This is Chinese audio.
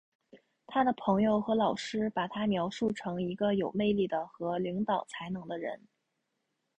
他的朋友和老师把他描述成一个有魅力的和领导才能的人。